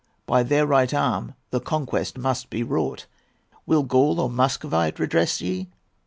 By their right arm the conquest must be wrought. Will Gaul or Muscovite redress ye?